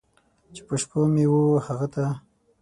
چې په شپو مې و هغه ته!